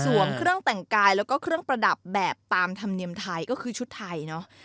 เครื่องแต่งกายแล้วก็เครื่องประดับแบบตามธรรมเนียมไทยก็คือชุดไทยเนอะ